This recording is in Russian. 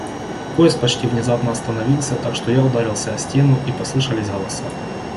Поезд почти внезапно остановился, так что я ударился о стену, и послышались голоса.